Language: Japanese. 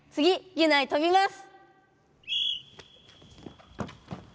ギュナイとびます！